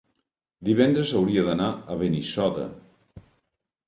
Divendres hauria d'anar a Benissoda.